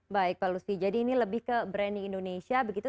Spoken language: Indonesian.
baik pak lutfi jadi ini lebih ke brand indonesia begitu